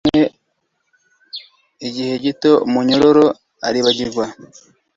Rimwe na rimwe ananiwe igihe gito umunyororo aribagirwa